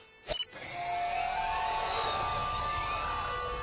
え？